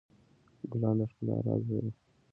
ګلان د ښکلا راز لري.